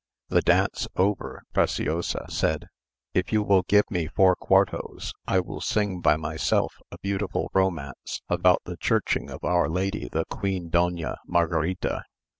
The dance over, Preciosa said, "If you will give me four quartos, I will sing by myself a beautiful romance about the churching of our lady the Queen Doña Margarita.